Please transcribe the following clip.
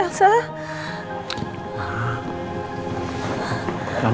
elsa udah berangkat kesana ma